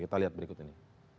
kita lihat berikut ini